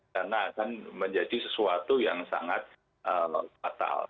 karena akan menjadi sesuatu yang sangat fatal